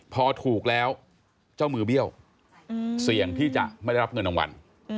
พอถูกแล้วเจ้ามือเบี้ยวเสี่ยงที่จะไม่ได้รับเงินรางวัล